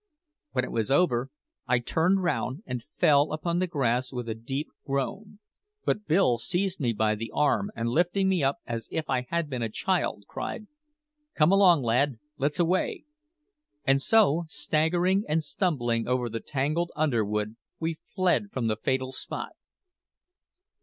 When it was over I turned round and fell upon the grass with a deep groan; but Bill seized me by the arm, and lifting me up as if I had been a child, cried: "Come along, lad; let's away!" And so, staggering and stumbling over the tangled underwood, we fled from the fatal spot.